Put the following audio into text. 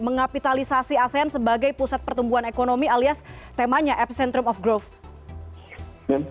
mengapitalisasi asean sebagai pusat pertumbuhan ekonomi alias temanya epicentrum of growth